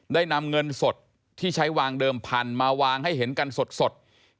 ได้นำเงินสดที่ใช้วางเดิมพันธุ์มาวางให้เห็นกันสด